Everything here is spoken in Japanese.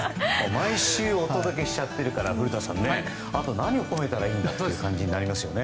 毎週、お届けしているから古田さん、あとは何を褒めたらいいんだという感じになりますよね。